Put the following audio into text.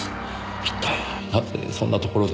一体なぜそんなところで。